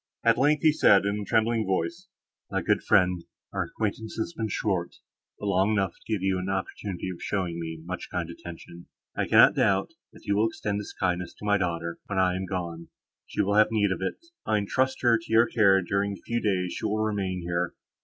At length, he said, in a trembling voice, "My good friend, our acquaintance has been short, but long enough to give you an opportunity of showing me much kind attention. I cannot doubt, that you will extend this kindness to my daughter, when I am gone; she will have need of it. I entrust her to your care during the few days she will remain here.